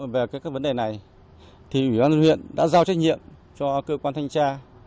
về các vấn đề này thì ủy ban huyện đã giao trách nhiệm cho cơ quan thanh tra